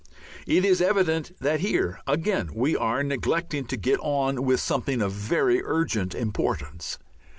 It is evident that here, again, we are neglecting to get on with something of very urgent importance.